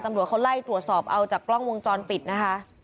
ตำรวจเขาไล่ตรวจสอบเอาจากกล้องวงจรปิดนะคะ